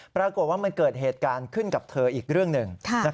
ปรากฏว่ามันเกิดเหตุการณ์ขึ้นกับเธออีกเรื่องหนึ่ง